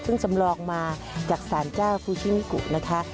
ซึ่งสำรองมาจากสารเจ้าฟูชิมิกุนะคะ